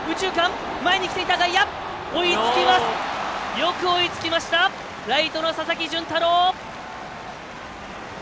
よく追いつきましたライトの佐々木純太郎！